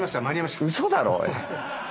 嘘だろおい。